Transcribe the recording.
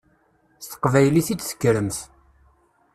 S teqbaylit i d-tekkremt.